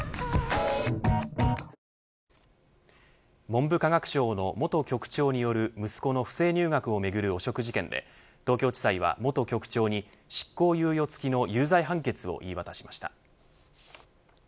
文部科学省の元局長による息子の不正入学をめぐる汚職事件で東京地裁は元局長に執行猶予付きの有罪判決を言い渡しました。